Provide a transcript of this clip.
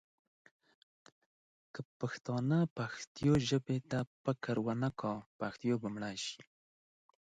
که پښتانه پښتو ژبې ته پاملرنه ونه کړي ، پښتو به مړه شي.